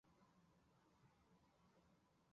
由牛党人物钱徽主持。